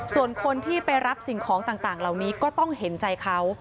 ส่วนคนที่ไปรับสิ่งของต่างเหล่านี้ก็ต้องเห็นใจเขา